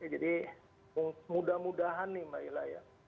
jadi mudah mudahan nih mbak ila ya